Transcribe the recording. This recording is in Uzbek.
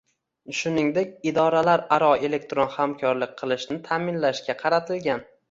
shuningdek idoralararo elektron hamkorlik qilishni ta’minlashga qaratilgan